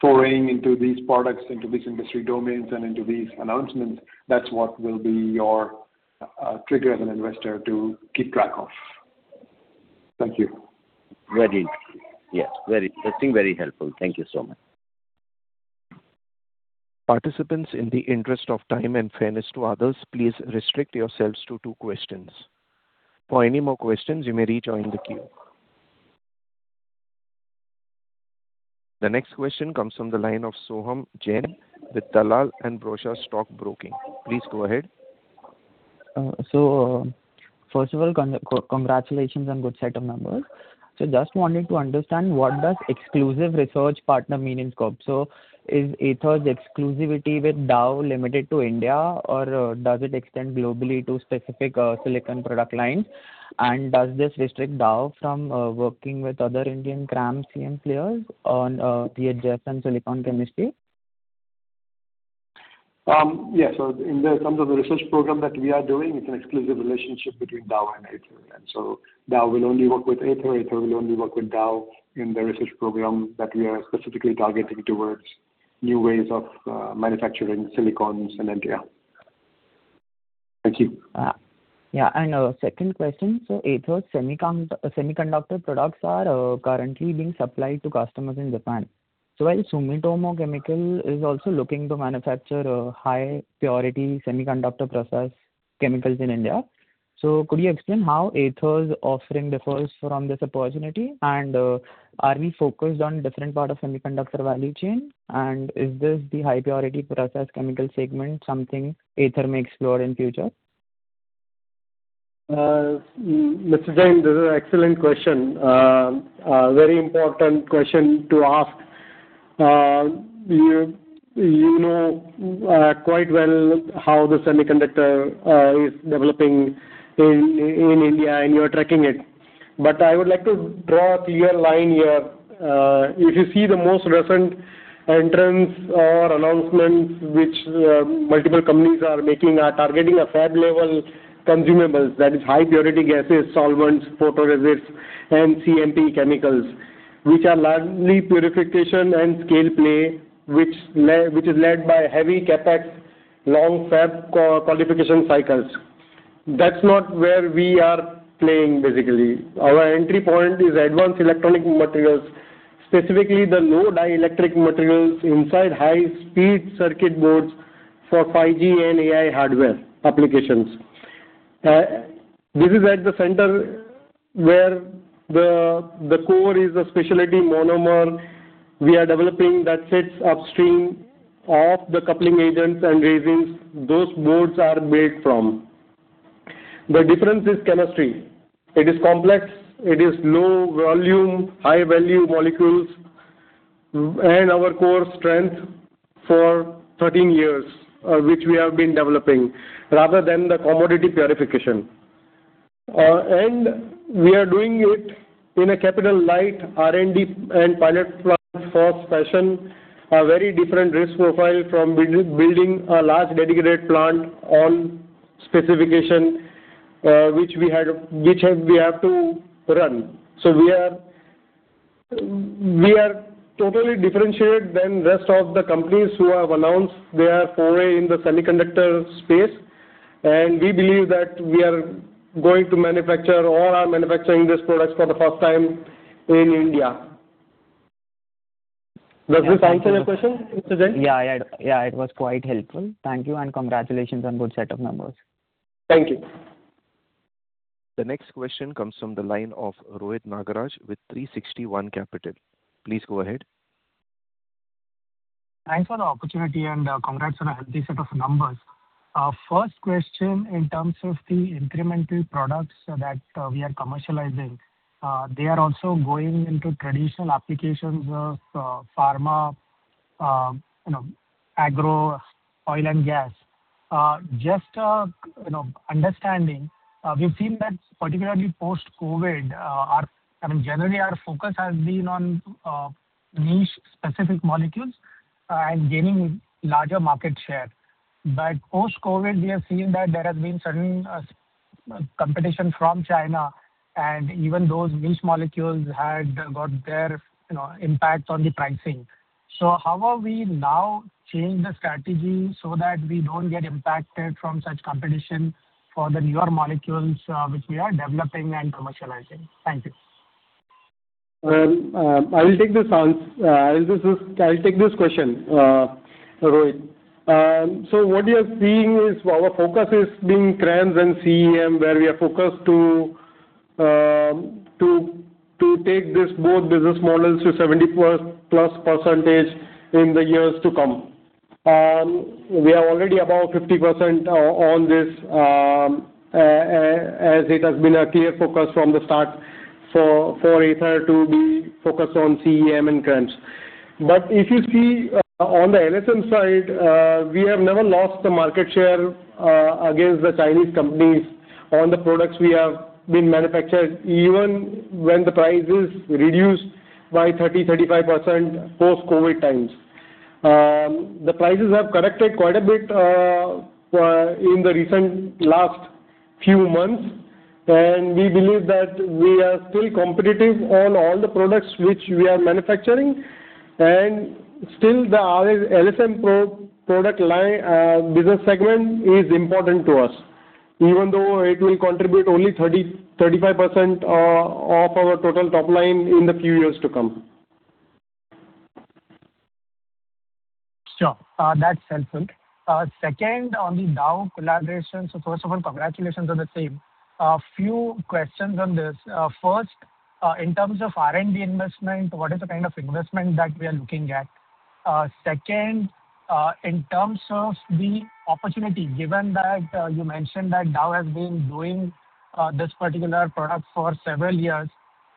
S5: foraying into these products, into these industry domains and into these announcements, that's what will be your trigger as an investor to keep track of. Thank you.
S9: Very interesting. Yes. Very interesting. Very helpful. Thank you so much.
S1: Participants, in the interest of time and fairness to others, please restrict yourselves to two questions. For any more questions, you may rejoin the queue. The next question comes from the line of Soham Jain with Dalal & Broacha Stock Broking. Please go ahead.
S10: First of all, congratulations on good set of numbers. Just wanted to understand what does exclusive research partner mean in scope? Is Aether's exclusivity with Dow limited to India, or does it extend globally to specific silicone product lines? Does this restrict Dow from working with other Indian CRAMS CM players on the adjacent silicone chemistry?
S5: Yeah. In the terms of the research program that we are doing, it's an exclusive relationship between Dow and Aether. Dow will only work with Aether will only work with Dow in the research program that we are specifically targeting towards new ways of manufacturing silicone in India.
S10: Thank you. Yeah. Second question. Aether's semiconductor products are currently being supplied to customers in Japan. While Sumitomo Chemical is also looking to manufacture a high purity semiconductor process chemicals in India. Could you explain how Aether's offering differs from this opportunity, and are we focused on different part of semiconductor value chain? Is this the high purity process chemical segment something Aether may explore in future?
S4: Mr. Jain, this is an excellent question. A very important question to ask. You know quite well how the semiconductor is developing in India, and you are tracking it. I would like to draw a clear line here. If you see the most recent entrance or announcements, which multiple companies are making are targeting a fab level consumables, that is high purity gases, solvents, photoresists, and CMP chemicals, which are largely purification and scaleplay, which is led by heavy CapEx, long fab qualification cycles. That's not where we are playing, basically. Our entry point is advanced electronic materials, specifically the low dielectric materials inside high-speed circuit boards for 5G and AI hardware applications. This is at the center where the core is a specialty monomer we are developing that sits upstream of the coupling agents and resins those boards are made from. The difference is chemistry. It is complex, it is low volume, high-value molecules, our core strength for 13 years, which we have been developing rather than the commodity purification. We are doing it in a capital light, R&D and pilot plant first fashion. A very different risk profile from building a large dedicated plant on specification, which we have to run. We are totally differentiated than rest of the companies who have announced their foray in the semiconductor space. We believe that we are going to manufacture or are manufacturing these products for the first time in India. Does this answer your question, Mr. Jain?
S10: Yeah. It was quite helpful. Thank you and congratulations on good set of numbers.
S4: Thank you.
S1: The next question comes from the line of Rohit Nagraj with 360 ONE Capital. Please go ahead.
S11: Thanks for the opportunity and congrats on a healthy set of numbers. First question, in terms of the incremental products that we are commercializing, they are also going into traditional applications of pharma, agro, oil and gas. Just understanding, we've seen that particularly post-COVID, I mean, generally our focus has been on niche specific molecules and gaining larger market share. Post-COVID, we have seen that there has been certain competition from China and even those niche molecules had got their impacts on the pricing. How have we now changed the strategy so that we don't get impacted from such competition for the newer molecules which we are developing and commercializing? Thank you.
S4: I will take this question, Rohit. What we are seeing is our focus is being CRAMS and CEM, where we are focused to take these both business models to 70%+ in the years to come. We are already about 50% on this as it has been a clear focus from the start for Aether to be focused on CEM and CRAMS. If you see on the LSM side, we have never lost the market share against the Chinese companies on the products we have been manufacturing, even when the price is reduced by 30%-35% post-COVID times. The prices have corrected quite a bit in the recent last few months, we believe that we are still competitive on all the products which we are manufacturing. Still the LSM product line business segment is important to us, even though it will contribute only 35% of our total top line in the few years to come.
S11: Sure. That's helpful. Second, on the Dow collaboration. First of all, congratulations on the same. A few questions on this. First, in terms of R&D investment, what is the kind of investment that we are looking at? Second, in terms of the opportunity, given that you mentioned that Dow has been doing this particular product for several years,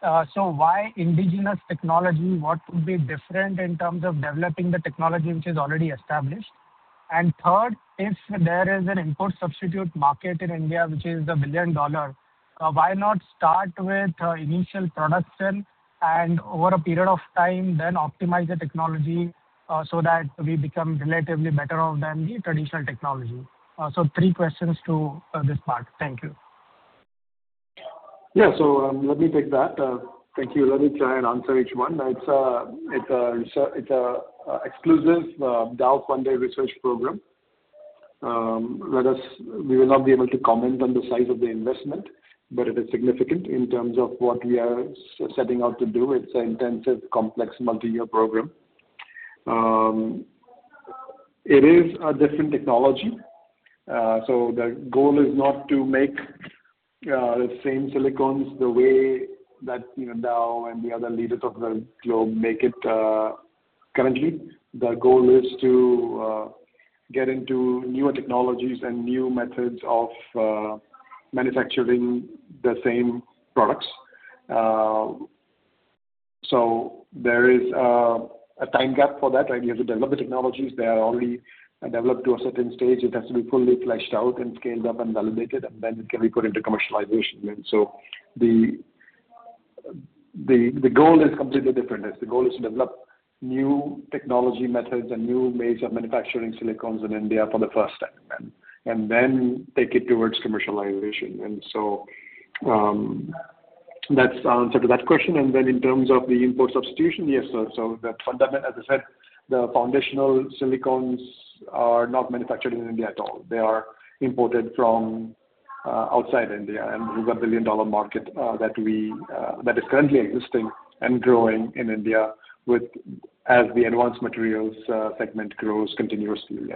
S11: why indigenous technology? What would be different in terms of developing the technology which is already established? Third, if there is an import substitute market in India which is a billion-dollar, why not start with initial production and over a period of time then optimize the technology so that we become relatively better off than the traditional technology? Three questions to this part. Thank you.
S5: Let me take that. Thank you, Rohit. I'll try and answer each one. It's exclusive Dow Funded Research program. We will not be able to comment on the size of the investment, but it is significant in terms of what we are setting out to do. It's an intensive, complex, multi-year program. It is a different technology. The goal is not to make the same silicones the way that Dow and the other leaders of the globe make it currently. The goal is to get into newer technologies and new methods of manufacturing the same products. There is a time gap for that. You have to develop the technologies. They are already developed to a certain stage. It has to be fully fleshed out and scaled up and validated, and then it can be put into commercialization. The goal is completely different. The goal is to develop new technology methods and new major manufacturing silicones in India for the first time, and then take it towards commercialization. That's the answer to that question. Then in terms of the import substitution, yes. As I said, the foundational silicones are not manufactured in India at all. They are imported from outside India. This is a billion-dollar market that is currently existing and growing in India as the advanced materials segment grows continuously.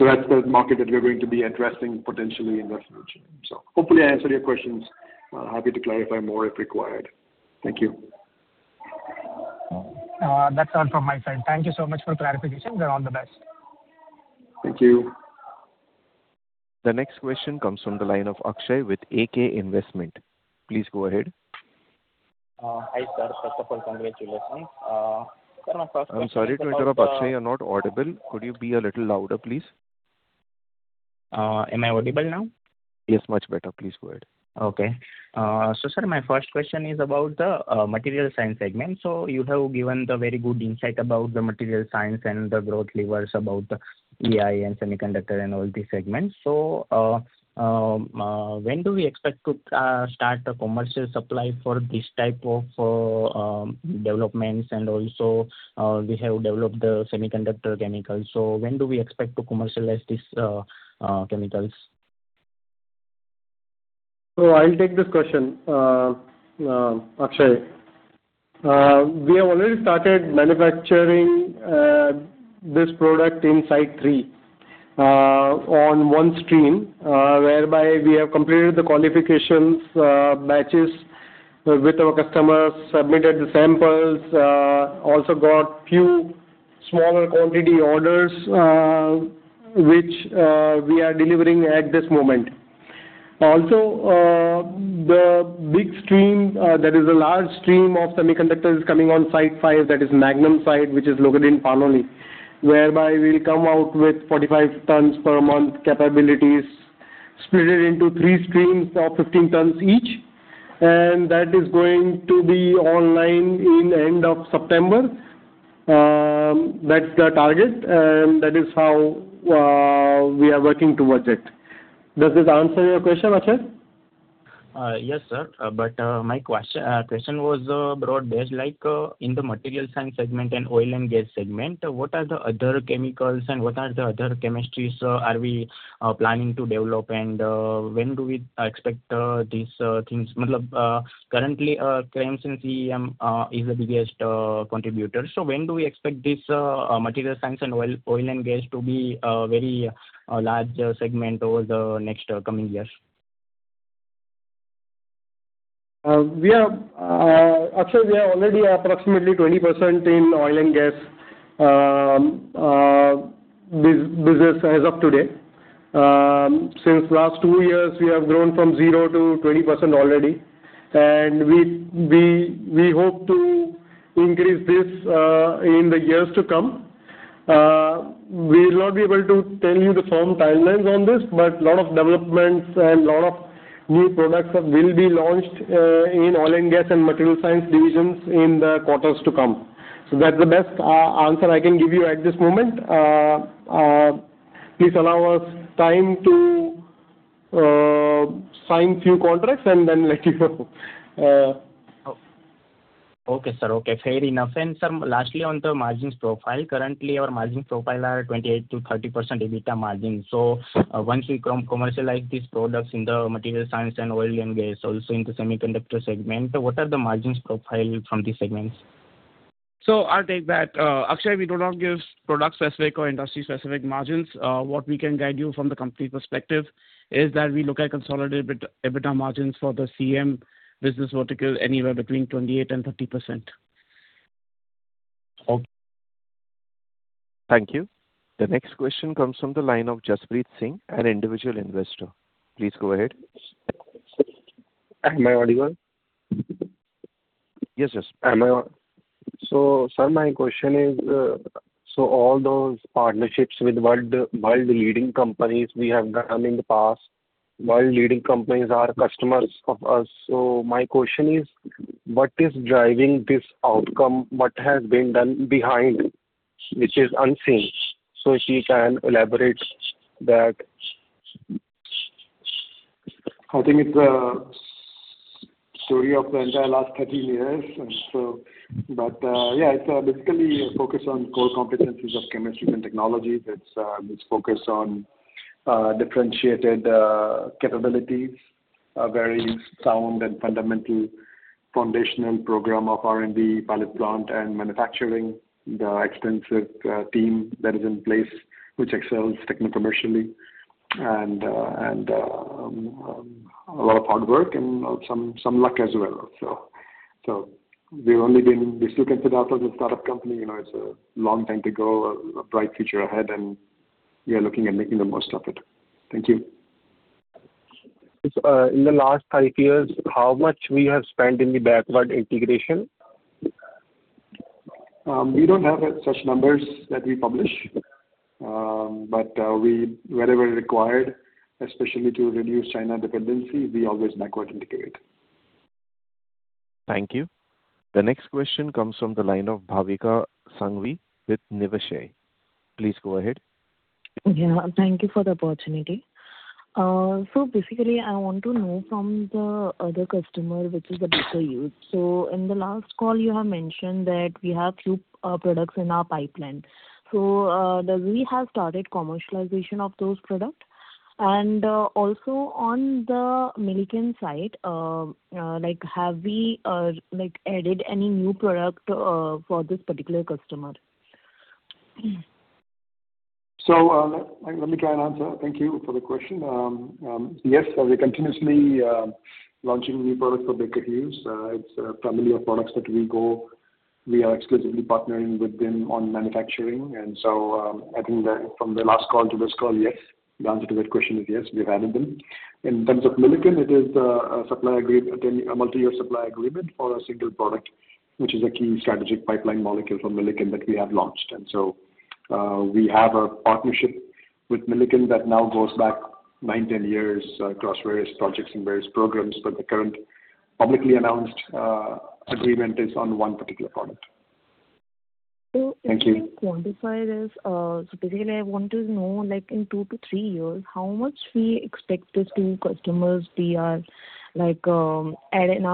S5: That's the market that we are going to be addressing potentially in the future. Hopefully I answered your questions. Happy to clarify more if required. Thank you.
S11: That's all from my side. Thank you so much for clarifications and all the best.
S4: Thank you.
S1: The next question comes from the line of Akshay with AK Investment. Please go ahead.
S12: Hi, sir. First of all, congratulations. Sir, my first question.
S5: I'm sorry to interrupt, Akshay. You're not audible. Could you be a little louder, please?
S12: Am I audible now?
S5: Yes, much better. Please go ahead.
S12: My first question is about the material science segment. You have given the very good insight about the material science and the growth levers about the AI and semiconductor and all these segments. When do we expect to start a commercial supply for these type of developments? We have developed the semiconductor chemicals, when do we expect to commercialize these chemicals?
S4: I'll take this question, Akshay. We have already started manufacturing this product in Site 3 on one stream, whereby we have completed the qualifications batches with our customers, submitted the samples, also got few smaller quantity orders, which we are delivering at this moment. The big stream, that is a large stream of semiconductors coming on Site 5, that is Magnum Site, which is located in Panoli, whereby we'll come out with 45 tons per month capabilities split into three streams of 15 tons each. That is going to be online in end of September. That's the target, and that is how we are working towards it. Does this answer your question, Akshay?
S12: My question was broad-based, like in the material science segment and oil and gas segment, what are the other chemicals and what are the other chemistries are we planning to develop and when do we expect these things? Currently, CRAMS CM is the biggest contributor, when do we expect this material science and oil and gas to be a very large segment over the next coming years?
S4: Akshay, we are already approximately 20% in oil and gas business as of today. Since last two years, we have grown from zero to 20% already, we hope to increase this in the years to come. We will not be able to tell you the firm timelines on this, lot of developments and lot of new products will be launched in oil and gas and material science divisions in the quarters to come. That's the best answer I can give you at this moment. Please allow us time to sign few contracts and then let you know.
S12: Okay, sir. Okay, fair enough. Sir, lastly, on the margins profile. Currently, our margin profile are 28%-30% EBITDA margin. Once we commercialize these products in the material science and oil and gas, also in the semiconductor segment, what are the margins profile from these segments?
S3: I'll take that. Akshay, we do not give product-specific or industry-specific margins. What we can guide you from the company perspective is that we look at consolidated EBITDA margins for the CM business vertical anywhere between 28% and 30%.
S12: Okay.
S1: Thank you. The next question comes from the line of Jaspreet Singh, an individual investor. Please go ahead.
S13: Am I audible?
S1: Yes.
S13: Sir, my question is, all those partnerships with world-leading companies we have done in the past, world-leading companies are customers of us. My question is, what is driving this outcome? What has been done behind, which is unseen? If you can elaborate that.
S4: I think it's a story of the entire last 13 years. Yeah, it's basically a focus on core competencies of chemistry and technology, it's focused on differentiated capabilities, a very sound and fundamental foundational program of R&D, pilot plant and manufacturing, the extensive team that is in place which excels techno-commercially and a lot of hard work and some luck as well. We still consider ourselves a startup company. It's a long time to go, a bright future ahead, and we are looking at making the most of it. Thank you.
S13: In the last five years, how much we have spent in the backward integration?
S4: We don't have such numbers that we publish. Wherever required, especially to reduce China dependency, we always backward integrate.
S1: Thank you. The next question comes from the line of Bhavika Singhvi with Niveshaay. Please go ahead.
S14: Yeah, thank you for the opportunity. Basically, I want to know from the other customer, which is the Baker Hughes. In the last call, you have mentioned that we have few products in our pipeline. Do we have started commercialization of those product? Also on the Milliken side, have we added any new product for this particular customer?
S4: Let me try and answer. Thank you for the question. Yes, we're continuously launching new products for Baker Hughes. It's a family of products that we are exclusively partnering with them on manufacturing. I think that from the last call to this call, yes. The answer to that question is yes, we've added them. In terms of Milliken, it is a multi-year supply agreement for a single product, which is a key strategic pipeline molecule for Milliken that we have launched. We have a partnership with Milliken that now goes back nine, 10 years across various projects and various programs, but the current publicly announced agreement is on one particular product.
S14: So-
S4: Thank you.
S14: Can you quantify this? Basically, I want to know in two to three years, how much we expect these two customers be in our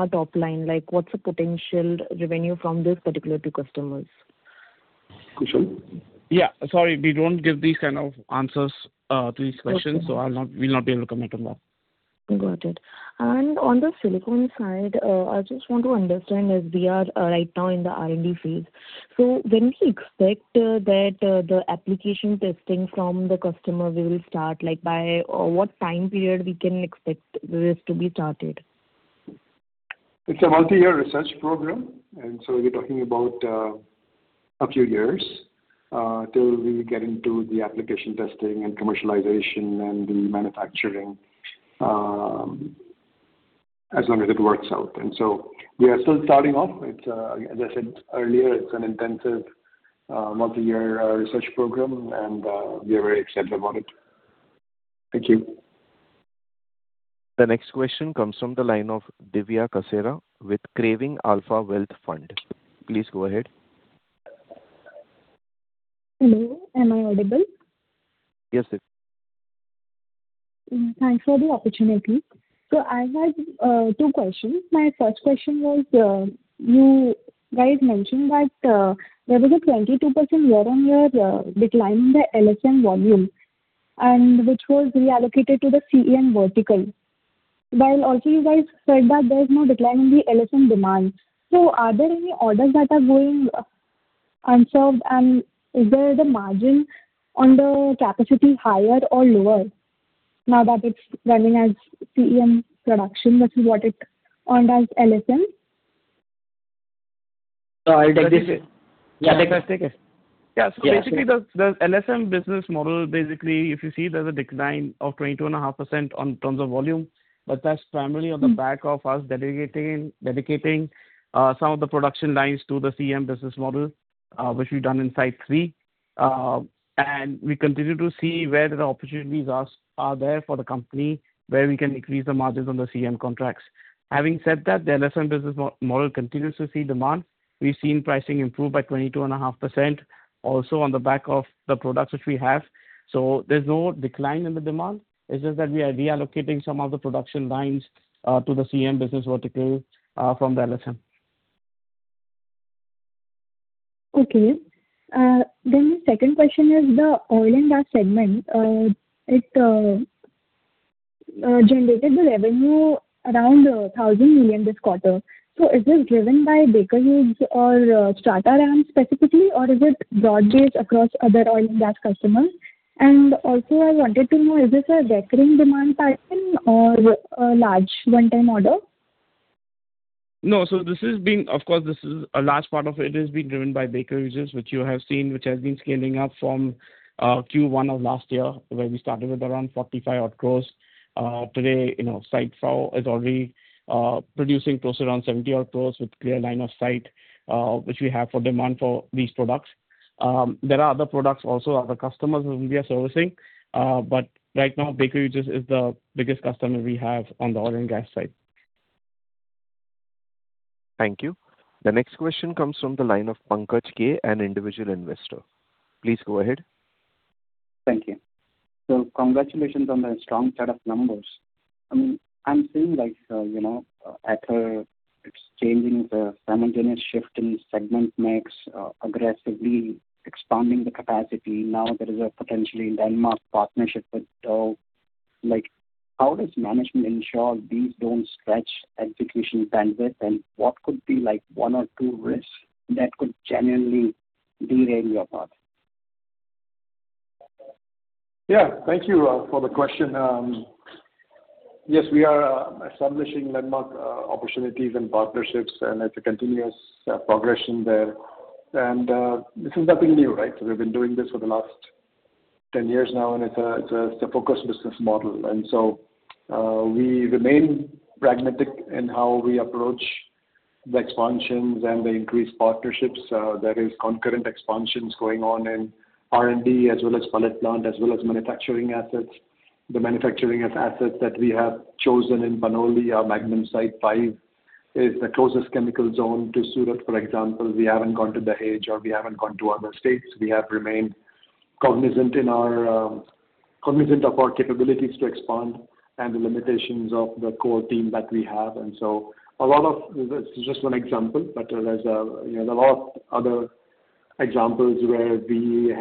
S14: top line? What's the potential revenue from this particular two customers? Kushal?
S3: Sorry, we don't give these kind of answers to these questions.
S14: Okay.
S3: We'll not be able to comment on that.
S14: Got it. On the silicone side, I just want to understand as we are right now in the R&D phase. When we expect that the application testing from the customer will start? By what time period we can expect this to be started?
S5: It's a multi-year research program, and so we're talking about a few years, till we get into the application testing and commercialization and the manufacturing, as long as it works out. We are still starting off. As I said earlier, it's an intensive multi-year research program, and we are very excited about it.
S14: Thank you.
S1: The next question comes from the line of Divya Kasera with Craving Alpha Wealth Fund. Please go ahead.
S15: Hello, am I audible?
S1: Yes, sir.
S15: Thanks for the opportunity. I have two questions. My first question was, you guys mentioned that there was a 22% year-on-year decline in the LSM volume, which was reallocated to the CM vertical. You guys said that there's no decline in the LSM demand. Are there any orders that are going unserved? Is the margin on the capacity higher or lower now that it's running as CM production, which is what it earned as LSM?
S3: I'll take this. Can I take it? Yeah. Basically, the LSM business model, basically, if you see there's a decline of 22.5% in terms of volume. That's primarily on the back of us dedicating some of the production lines to the CM business model, which we've done in Site 3. We continue to see where the opportunities are there for the company, where we can increase the margins on the CM contracts. Having said that, the LSM business model continues to see demand. We've seen pricing improve by 22.5% also on the back of the products which we have. There's no decline in the demand. It's just that we are reallocating some of the production lines to the CM business vertical from the LSM.
S15: Okay. The second question is the oil and gas segment. It generated the revenue around 1,000 million this quarter. Is this driven by Baker Hughes or Statoil specifically, or is it broad-based across other oil and gas customers? Also I wanted to know, is this a recurring demand pattern or a large one-time order?
S3: No. Of course, a large part of it is being driven by Baker Hughes, which you have seen, which has been scaling up from Q1 of last year, where we started with around 45 odd crores. Today, Site 4 is already producing close around 70 odd crores with clear line of sight, which we have for demand for these products. There are other products also, other customers whom we are servicing. Right now, Baker Hughes is the biggest customer we have on the oil and gas side.
S1: Thank you. The next question comes from the line of Pankaj K, an individual investor. Please go ahead.
S16: Thank you. Congratulations on the strong set of numbers. I'm seeing Aether exchanging the simultaneous shift in segment mix, aggressively expanding the capacity. Now there is a potential landmark partnership with Dow. How does management ensure these don't stretch execution bandwidth? What could be one or two risks that could genuinely derail your path?
S5: Yeah. Thank you for the question. Yes, we are establishing landmark opportunities and partnerships, and it's a continuous progression there. This is nothing new, right? We've been doing this for the last 10 years now, and it's a focused business model. We remain pragmatic in how we approach the expansions and the increased partnerships. There is concurrent expansions going on in R&D, as well as pilot plant, as well as manufacturing assets. The manufacturing of assets that we have chosen in Panoli, Magnum Site 5 is the closest chemical zone to Surat, for example. We haven't gone to Dahej, or we haven't gone to other states. We have remained cognizant of our capabilities to expand and the limitations of the core team that we have. This is just one example, but there's a lot of other examples where we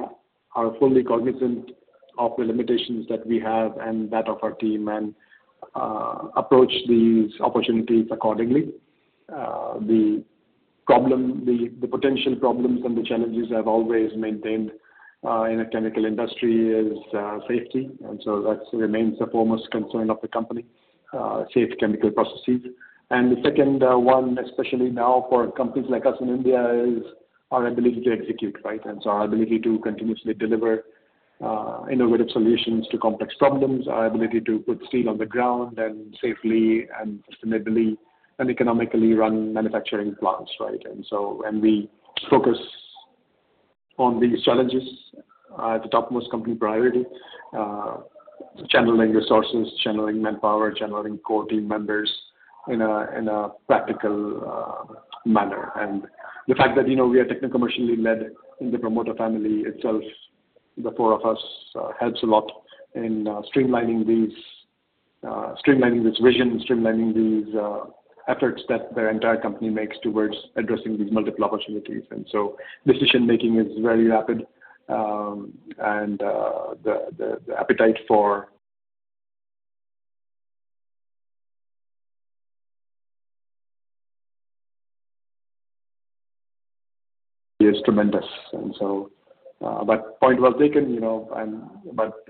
S5: are fully cognizant of the limitations that we have and that of our team, and approach these opportunities accordingly. The potential problems and the challenges I've always maintained in a chemical industry is safety, that remains the foremost concern of the company, safe chemical processes. The second one, especially now for companies like us in India, is our ability to execute. Our ability to continuously deliver innovative solutions to complex problems, our ability to put steel on the ground and safely and sustainably and economically run manufacturing plants. We focus on these challenges at the topmost company priority, channeling resources, channeling manpower, channeling core team members in a practical manner. The fact that we are technical commercially led in the promoter family itself, the four of us, helps a lot in streamlining this vision, streamlining these efforts that the entire company makes towards addressing these multiple opportunities. Decision-making is very rapid, and the appetite for is tremendous. Point well taken.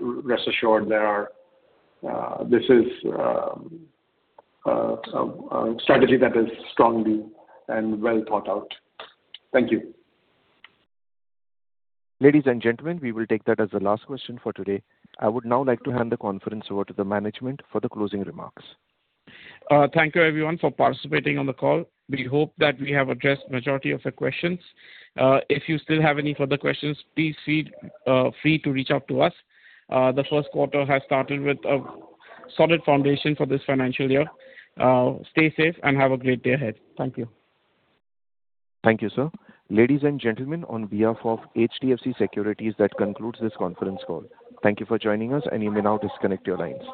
S5: Rest assured, this is a strategy that is strongly and well thought out. Thank you.
S1: Ladies and gentlemen, we will take that as the last question for today. I would now like to hand the conference over to the management for the closing remarks.
S3: Thank you everyone for participating on the call. We hope that we have addressed majority of the questions. If you still have any further questions, please feel free to reach out to us. The first quarter has started with a solid foundation for this financial year. Stay safe and have a great day ahead. Thank you.
S1: Thank you, sir. Ladies and gentlemen, on behalf of HDFC Securities, that concludes this conference call. Thank you for joining us and you may now disconnect your lines.